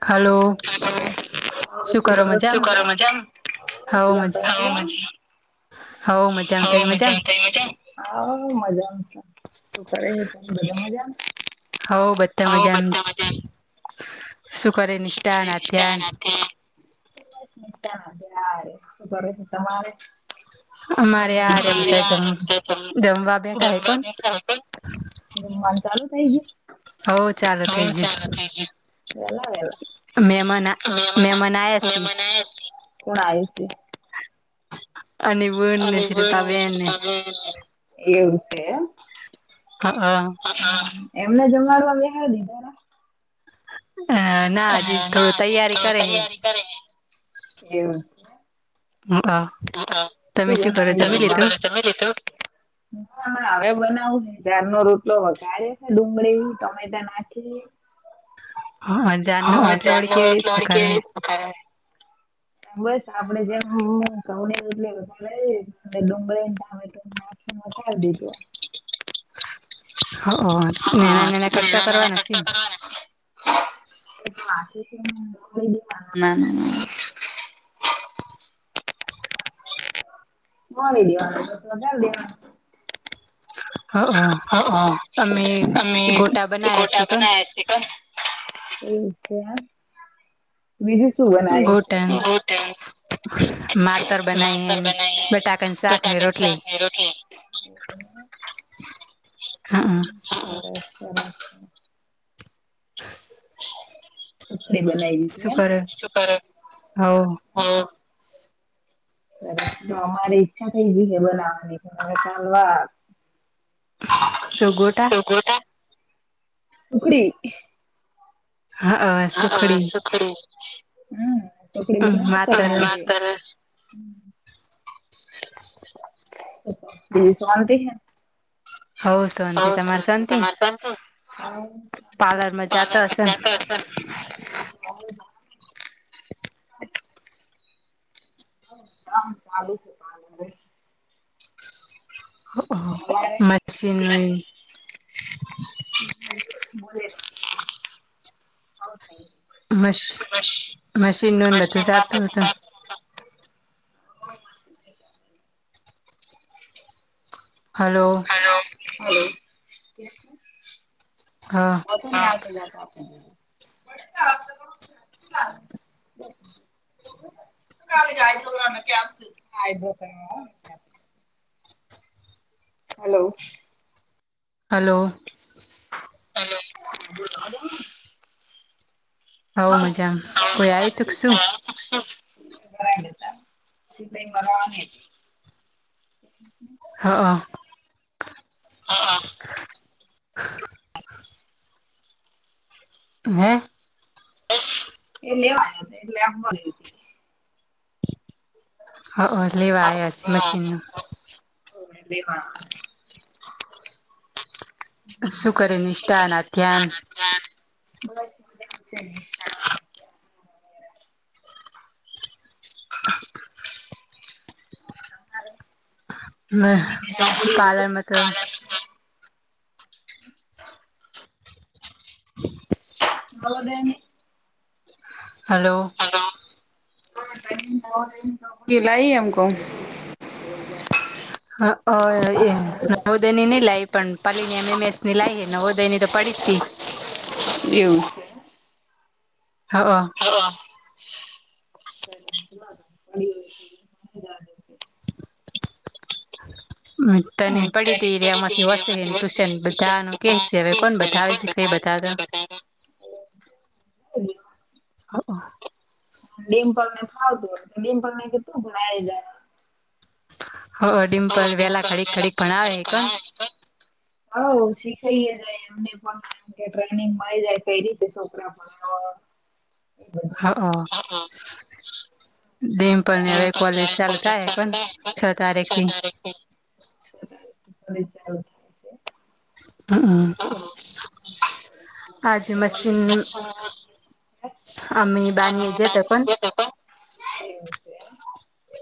Hello શું હ કરો કર શું મજામાં કરો હવ મજામા [unintelligible] મજા હેલો [unintelligible] મજામાં હવ તમે મજા મજામાં થાય મજા હા મજા શું કરે છે તો બધા મજા [unintelligible] હવ બધધા મજા એમ શુંષઠા રાતે સ નીચાના ત્યારે શું કરે છે તમારે અમારે આ રહ્યા મબી બધા થાય જમ જમવા બેઠા હે કોણ [unintelligible] વાત ચાલુ થઇ ગઈ હવ ચાલુ થઇ જ ચાલુ થઇ ગય વેલા વેલા મહેમન મહેમન આયાસી હણ આઈ છે. અને બુન ને અને બ નિ શ શિલ્પાબેન ને તમે એ છે. હા હા. એમને જ મારવા બેહા દીધાર. અ ના હજી થોડો તૈયારી કરે હે. એવું. હ આ. [unintelligible] ના હવે બનાવું ને તારનો રોટલો વગારે છે ડુંગળી ટમેટા નાખી હા હા જારનો રોટલો કેવી [unintelligible] બસ આપડે જેમ ઘઉં ની રોટલી [unintelligible] ડુંગળી ને ટામેટું નાખી વઘારી દીધું. હ અ નાના નાના વણી કટકા દેવાનું કરવાના સિમ. [unintelligible] વા વિડિઓ આયુ તો ઘાલ દેવાનું હ હ અમે અને ગોટા તુ બનાયા શી ગોટા કોન બનાયા છે ક. એવુજ છે હા બીજું શું બનાવી ગોટન છે? માતર બનાઈ એમ, બનાઈ બટાકાની શાક ની રોટલી. રોટલી હમ્મ [unintelligible] [inaudible] સુખડી બનાવી થી શું એમ, કરે સુું કરો છો, હવ હા. તો અમારે ઈચ્છા થઈ ગઈ છે બનાવવાની પણ હવે ચાલવા. શુ ગોટા સુખડી હા હ સુખડી માતર સંતારાં બીજી શોનતી હે. હવ હો શાંતિ તમાર શાંતિ, તમારે શાંતિ? પાર્લર માં કાલે જાતા હશે ન રજા [unintelligible] હો કામ ચાલુ છે પાલ મશીન નું તમારે? [unintelligible] મશ મશીનનું બધું સાતું હતું. હલો. હલો હા. [unintelligible] [unintelligible] Hello hello. હલો. હલો. હવ મજામાં કોઈ હા આયુ તું કે શું હા [unintelligible] [unintelligible] હમ્મ હા હ. [inaudible] [inaudible] હ. એ લેવા્યા હતા એટલે આમ. હ હ લેવા આયા અસી મસીનું. ઓ એવા. [unintelligible] શુ કરે નિષ્ઠા, નાત્યા? [inaudible] [inaudible] [inaudible] મત [inaudible] આવો બેન હલો [unintelligible] એ નવોદય ની નઈ લાવ પણ પલી ની એમ એમ એસ ની લાવ નવોદય ની તો પડી તી એવું હા હ [unintelligible] હ તનીને પડી ત ર આમાંથી વસેને ટ્યુશન બધાનું કે છે હવે કોણ બધા આવે છે. કઈ બતાવતા ડડીમપલ ને ફાવતું ડિમ્પલ ને કેીધું પણ આવી જાય. હ ડિમ્પલ વેલા ખડીક ખડીક પણ આવે હ કોણ હ શીખાઈ જાય એમને પણ કે ટ્રેનિંગ મળી જાય કઈ રીતે છોકરા પણ હા હ દ પણની હવે કોલેજ ચાલુ થાય હ કો છ તારીખ થી, આવે ચાલુ છે. હ તો [unintelligible] અમી બાની જ તો કો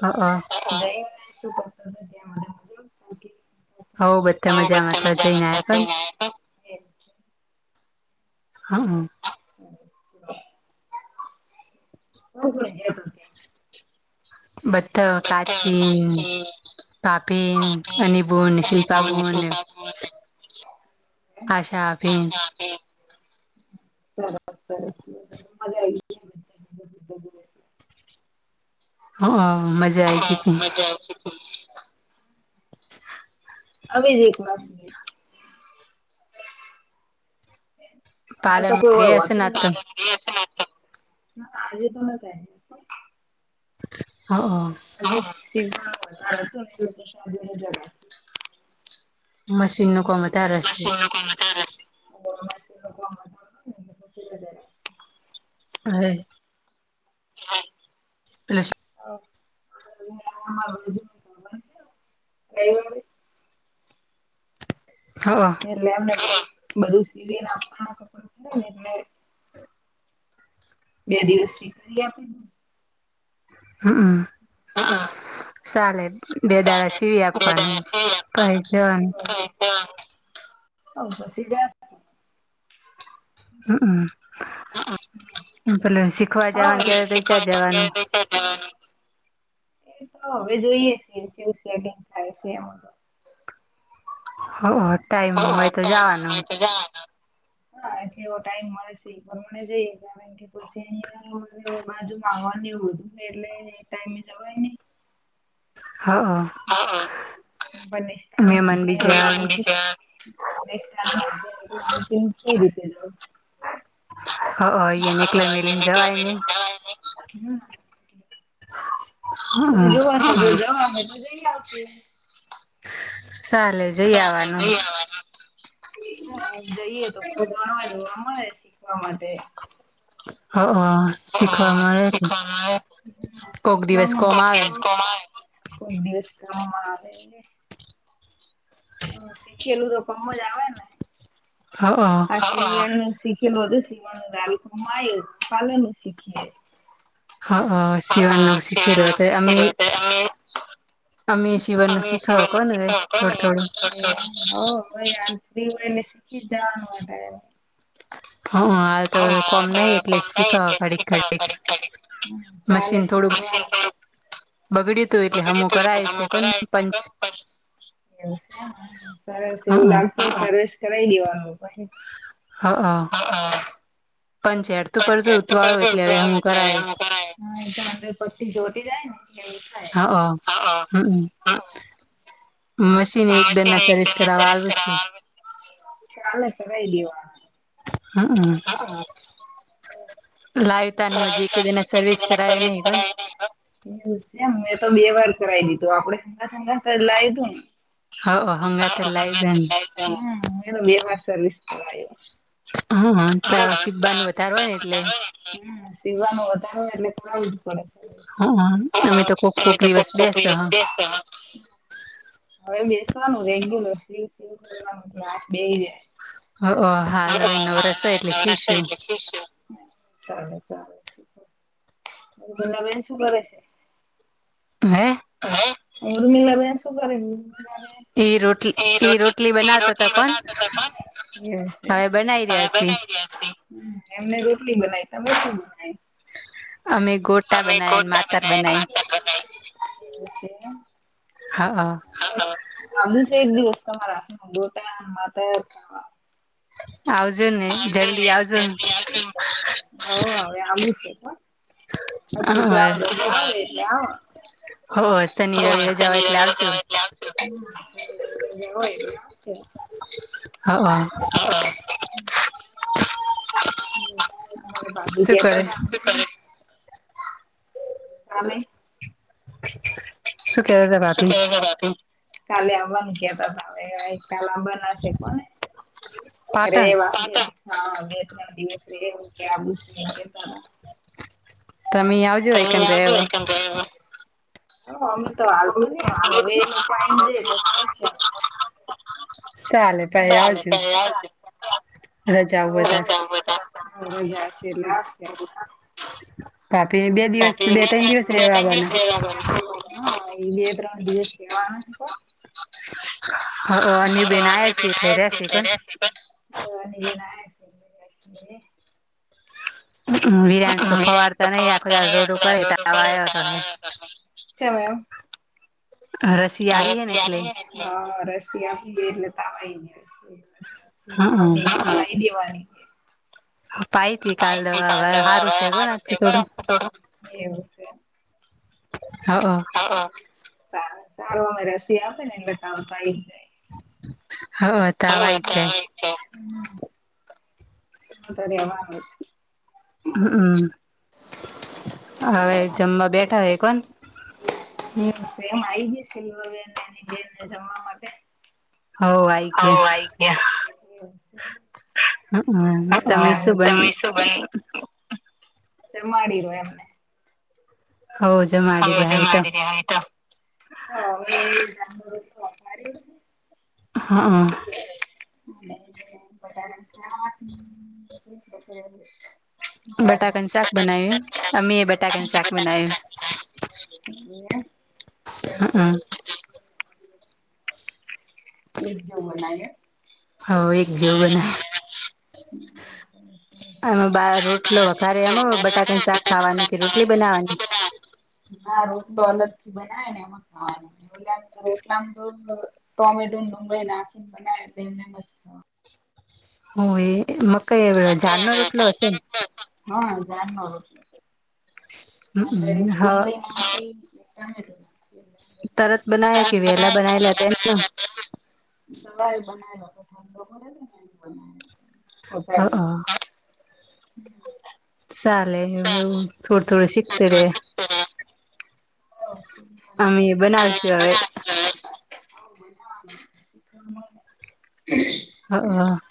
હ હ સુ હઉ બધા પણ મજામાં તો જઈને પણ હા હા કો ભ [unintelligible] બધ કાચીન પાપીન અબન શિલ્પાબુન હે? આશાભી સરસ સરસ મજા આવી ગઈ. એમ. હ મજા આય છે ત જ [unintelligible] અમે જ વા હ તો પાર્લરમાં કોઈ ગયા હોયત હશે ને આજ તો નતા હા હ સ [inaudible] મશીન ન કોમત [unintelligible] હવે પિલ [unintelligible] [unintelligible] ને બધું સીવી નાખવાને બે દિવસથીી કરી આપે હા હા હ ચાલે બે દાડા ચાલે સીવી બે આપવાનું દાડા સીવી કાઈ આપવાના જોવાનું હ પોચીગયા હમમ પેલે શીખવા જવાનું કે તચાર જવાનું એ તો હવે જોઈએ છે થાય છે. ઓ ટાઈમ હા હોય તો જવાનું હા એટલે એવો ટાઈમ મળે છે પણ મને જઈ પછી અ બાજુ માગવાની એધું એટલે ટાઈમે જવાય ને. હા હ હા મહેમાન બીજા આવે હ [unintelligible] હ એને એકલે મેલીને જવાય નહી [unintelligible] તો હમ જોવો તો જવા અમે તો જઈ આવશુ. ચાલે જઈ આવવાનું. હમ જઈએ તો કોઈ ગણવા જોવા મળે શીખવા માટે. હ હ શીખવા મળે. શી કોક દિવસ કોમ કોક આવે દિવસ કો આવે કોક દિવસ કોમાં આવે. હ શીખેલું તો કમજ આવે ને. હ કેલ વધધ શીવાણ અલપમા પલાનું સીખ. હ હ સીવણ નું સવા ન શીખેલું હતું શીખ અમે અમે સીવણ નું તમે શીખાવ સવા કોને શીખ. હવે થોડું થોડું [unintelligible] હા હાલ તો કોમ નઈ એટલે વધારે શીખવા કડીક કડીક હમ ચાલે શી. બગડ્યું તું એટલે હમું કરાય છે કો પંચ એવું છે સરસ એવું લાગતું સર્વિસ કરાઈ દેવાનું પછ. હ હ પણ ઝડતું પરત ઉતવાળો એટલે હવે હું કરાવીશ. હા એંદર પટ્ટી જોટી જાય ને એ. હા હ હમમ. હ સર્વિસ મશીન કરાવવા સરસ આવું કર છે આવે છે ચા તોહી દેવા. હમ હ લાઈવ તું હજી ક જેના સરર્વસ કરાવો ને હ ને એ છે મે તો બે વાર કરાવી લીધું આપડે ઠંડા ઠંડા લાવી તું ને. હ હંગા તેલાઈને બે વાર સર્વિસ કરાવ્યું હૈ. હા તો સી્બા ન વધાર હોય ને એટલે. હમ સિવવા નું વધારે હોય એટલે. હા અમે તો કોક તમે કોક તો ખબ દિવસ બેસ ખોટની હ રસ હવે બેસવાનું રેગ્યુલર સીવ સીવ કરવાનું હા બેહી રે. હાલ હવે નવ રસા એટલે શિવશું. સિવશું. ચલે ચલેલા બેન શું કરે? હે? ઓ રમીલા ભ શું કરે? બેન એ રોટલી એઈ રોટલી બનાતા ત કોણ. એ હવે બનાવી રહ્યા છી એમને રોટલી બનાય તમે શું બનાય? અમે ગોટ અમે ગોટા બનાય માતા બનાય. હા આવું છે એક દિવસ તમારા ગોટા હતાત. આવજો ને. જલ્દી આવજો ત હવે અમૃતસર [unintelligible] [unintelligible] હો શનિ હા રવિ આજ રજા હોય શનિવાર એટલે ની આવજો રજા રાખી આવજો. [unintelligible] હ. શું કરે [inaudible] [inaudible] [inaudible] કેતા તા ભાભી [unintelligible] કાલે આવાનું કેતા હતા બ કોને અરે પાટણ વા હા બે ત્રણ દિવસ રું કે તમે આવ [unintelligible] ત ન આવજ. તો ચાલતો નઈ આમ હવે એ લોકો છે. ચાલે સ ભાઈ ને આવજો તમે આવજો રજાઓ વધારે રજા માં બધા. હજા છે એટલે આવશે. પાપી ને બે દિવસ બે ત્રણ દિવસ રેવા આવવાના. હા એ બે ત્રણ દિવસ રેવા આવાના પણ. આવવાના. ની માવાની આયા બેન આવે છે રેશે એટલે કોણ રશે. [unintelligible] વિરાંશ તો ફવાડતા નહી આખો રોડ કરે પે તો આવવા આવ્યો રહે. [inaudible] રસી. આલી હે ને એટલે રસી હ રસી આપી ગ એટલે તાવ આય હ ગયો. ઈ દેવાની [unintelligible] પાઈતી કાલ દ હારું સેગો ના તો થોડું. એવું હ. સ સારું અમે રસી આપે ને એમને કામ થાઈ. હ તાવ આય જાય. સરવા છે. હ હમ્મ. હવે જમવા બેઠા હોય કોન. એમ આ જ સેવ એની જેને જમવા માટે. હ આઈ. હ ગયા આઈ ગયા હ તમે હા શું બન તમે. ભાઈ માંડી રહ્યો એમને. હ. હજ મળી આત. [inaudible] હા. [unintelligible] બટાકન શાક બનાય એમ અમે એ બટાકાનું બટાકન શાક બનાયું. સારું છે. એક જોવું બોલા. હ એક જેવું બને. આમાં બા રોટલો વધારે એમ બટાકાની શાક ખાવાનું કે રોટલી બનાવવાની. ના રોટલો અલગ થી બનાવે ને એમાં ખાવાનોટ તો રોટલામ તો ટોમેટો ડગળ લફિંગ બેને મસ્ત. હ એ મકાઈ એ જાનણર [unintelligible] રોટલો સેને. હા જાણ ના રોટલો. [unintelligible] અ હમ હ ડુંગળી ના એ ટામડું તરત બનાયા કે વેલા બનાવેલા હતા. સવાલ બનાવે ઠંડો કરે હ બ [unintelligible] [inaudible] ચાલે હ થોડ થોડ શીખત રે. [unintelligible] અમે હા બનાવશું હવે રા [inaudible] હા હ.